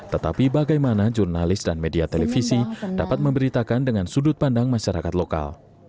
tetapi bagaimana jurnalis dan media televisi dapat memberitakan dengan sudut pandang masyarakat lokal